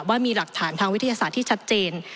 ว่ามีหลักฐานทางวิทยาศาสตร์ที่ชัดเจน